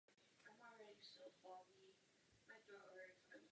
Krátkým textem do bookletu přispěl také Jiří Suchý.